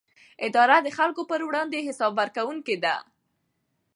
اداره د خلکو پر وړاندې حساب ورکوونکې ده.